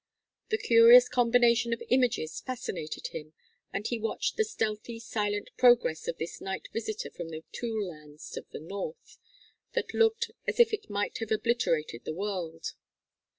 The curious combination of images fascinated him, and he watched the stealthy silent progress of this night visitor from the tule lands of the north, that looked as if it might have obliterated the world.